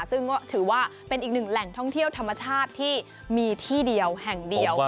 ซึ่งก็ถือว่าเป็นอีกหนึ่งแหล่งท่องเที่ยวธรรมชาติที่มีที่เดียวแห่งเดียว